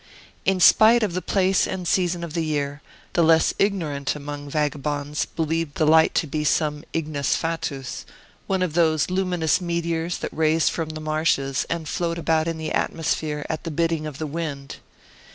In spite of the place and the season of the year, the less ignorant among vagabonds believed the light to be some ignis fatuus, one of those luminous meteors that raise from the marshes and float about in the atmosphere at the bidding of the wind.